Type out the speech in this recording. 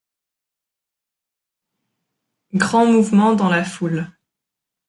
Grand mouvement dans la foule.